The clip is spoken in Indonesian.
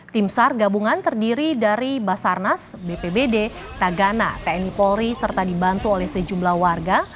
tim sar gabungan terdiri dari basarnas bpbd tagana tni polri serta dibantu oleh sejumlah warga